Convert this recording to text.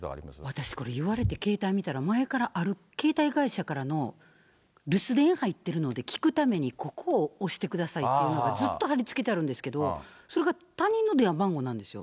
私、これ言われて、携帯見たら前からある携帯会社からの留守電入ってるので、聞くためにここを押してくださいっていうのがずっと貼り付けてあるんですけど、それが他人の電話番号なんですよ。